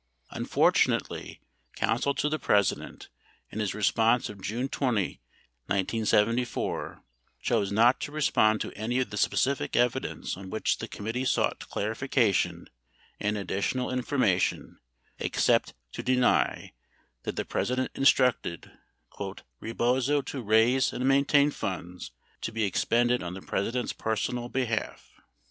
2 Unfortunately, counsel to the President, in his response of June 20, 1974, chose not to respond to any of the specific evidence on which the committee sought clarification and additional informa tion except to deny that the President instructed "Rebozo to raise and maintain funds to be expended on the President's personal behalf."